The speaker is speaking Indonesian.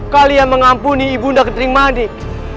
kalian mengampuni ibu nda ketering manik